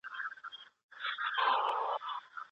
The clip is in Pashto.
ولي کوښښ کوونکی د تکړه سړي په پرتله ډېر مخکي ځي؟